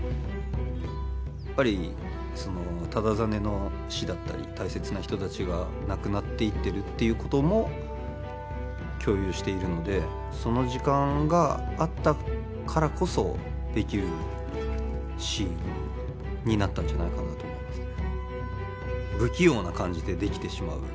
やっぱり忠真の死だったり大切な人たちが亡くなっていってるっていうことも共有しているのでその時間があったからこそできるシーンになったんじゃないかなと思いますね。